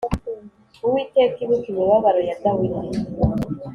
Uwiteka ibuka imibabaro ya dawidi